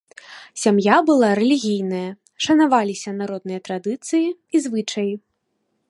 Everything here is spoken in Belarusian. Сям'я была рэлігійная, шанаваліся народныя традыцыі і звычаі.